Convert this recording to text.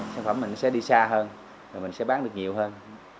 sản phẩm mình sẽ đi xa hơn rồi mình sẽ bán được nhiều hơn